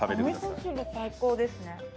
お味噌汁最高ですね。